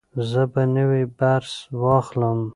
زه به نوی برس واخلم.